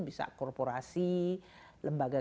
bisa korporasi lembaga